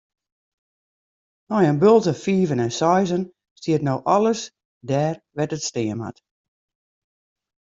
Nei in bulte fiven en seizen stiet no alles dêr wêr't it stean moat.